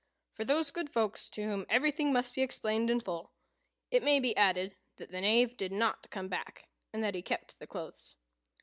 For those good folks to whom everything must be explained in full, it may be added that the Knave did not come back, and that he kept the clothes.